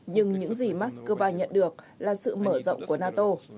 nhưng những gì moscow nhận được là sự mở rộng của nato